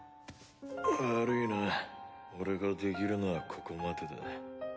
悪いな俺ができるのはここまでだ。